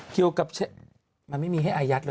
เกี่ยวกับแชร์มันไม่มีให้อายัดเลย